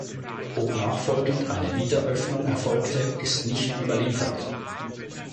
Ob nachfolgend eine Wiederöffnung erfolgte, ist nicht überliefert.